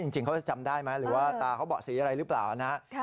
จริงเขาจะจำได้ไหมหรือว่าตาเขาเบาะสีอะไรหรือเปล่านะ